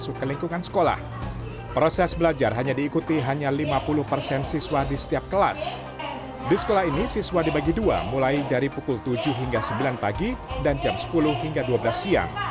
di sekolah ini siswa dibagi dua mulai dari pukul tujuh hingga sembilan pagi dan jam sepuluh hingga dua belas siang